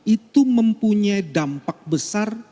itu mempunyai dampak besar